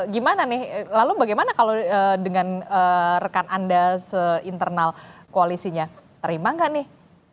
gimana nih lalu bagaimana kalau dengan rekan anda se internal koalisinya terima nggak nih